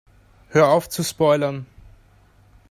Hör auf zu spoilern!